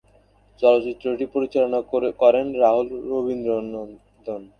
চলচ্চিত্রটি পরিচালনা করেন রাহুল রবিনন্দন।